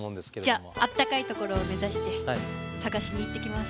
じゃあったかいところを目指して探しに行ってきます。